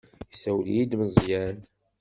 Yessawel-iyi-d Meẓyan.